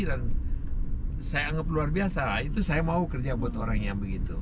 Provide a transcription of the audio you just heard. dan saya anggap luar biasa lah itu saya mau kerja buat orang yang begitu